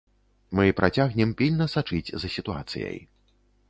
Мы працягнем пільна сачыць за сітуацыяй.